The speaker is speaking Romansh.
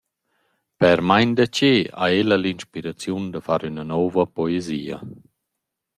Per main da che ha ella l’inspiraziun da far üna nouva poesia.